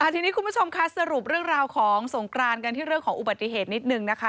ทีนี้คุณผู้ชมคะสรุปเรื่องราวของสงกรานกันที่เรื่องของอุบัติเหตุนิดนึงนะคะ